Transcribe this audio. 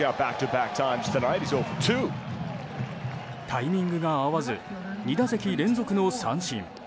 タイミングが合わず２打席連続の三振。